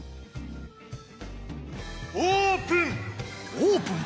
オープン！